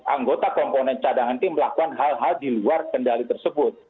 anggota komponen cadangan tim melakukan hal hal di luar kendali tersebut